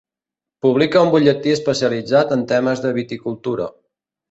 Publica un butlletí especialitzat en temes de viticultura.